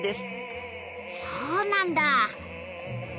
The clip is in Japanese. そうなんだ。